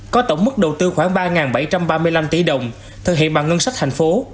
có tổng mức đầu tư khoảng ba bảy trăm ba mươi năm tỷ đồng thực hiện bằng ngân sách thành phố